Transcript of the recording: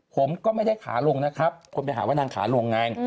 ผมก็ไม่ได้ขาลงนะครับคนไปหาว่านางขาลงไง